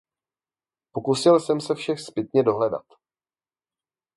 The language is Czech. Pokusil jsem se vše zpětně dohledat.